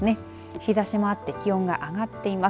日ざしもあって気温が上がっています。